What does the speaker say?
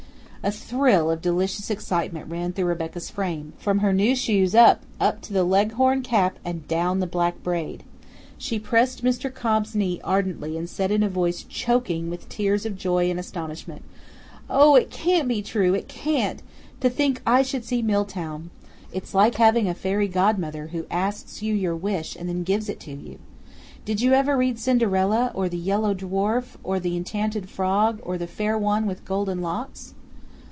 A thrill of delicious excitement ran through Rebecca's frame, from her new shoes up, up to the leghorn cap and down the black braid. She pressed Mr. Cobb's knee ardently and said in a voice choking with tears of joy and astonishment, "Oh, it can't be true, it can't; to think I should see Milltown. It's like having a fairy godmother who asks you your wish and then gives it to you! Did you ever read Cinderella, or The Yellow Dwarf, or The Enchanted Frog, or The Fair One with Golden Locks?"